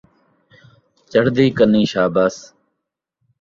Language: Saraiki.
چڑھدی کنی شابس